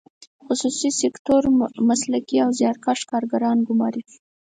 خصوصي سکتور مسلکي او زیارکښ کارګران ګماري.